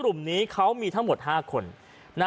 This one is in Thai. เรื่องนี้เขามีทั้งหมด๕คน